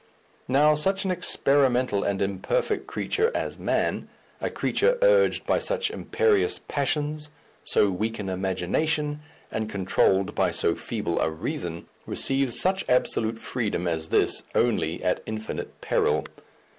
Now, such an experimental and imperfect creature as man, a creature urged by such imperious passions, so weak in imagination and controlled by so feeble a reason, receives such absolute freedom as this only at infinite peril.